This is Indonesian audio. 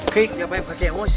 kayaknya apa yang pake emosi